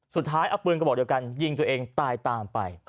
สุดท้ายเอาปืนกระบอกเดียวกันยิงตัวเองตายตามไป